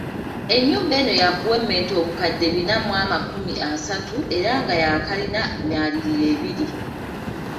Ennyumba eno yaakuwemmenta obukadde bina mu amakumi asatu era nga ya kkalina myaliiro ebiri.